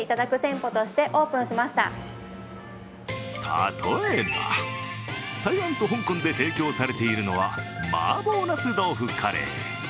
例えば、台湾と香港で提供されているのは麻婆なす豆腐カレー。